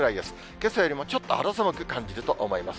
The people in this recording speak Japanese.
けさよりもちょっと肌寒く感じると思います。